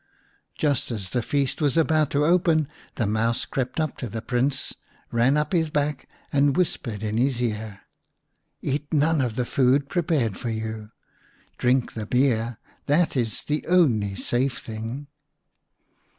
Just as the feast was about to open the Mouse crept up to the Prince, ran up his back and whispered in his ear :" Eat none of the food prepared for you ; drink the beer that is the only safe thing."